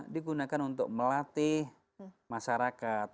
digunakan untuk melatih masyarakat